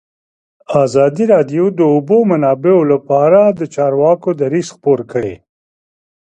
ازادي راډیو د د اوبو منابع لپاره د چارواکو دریځ خپور کړی.